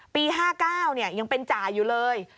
ปี๕๙ยังเป็นจ่ายอยู่เลย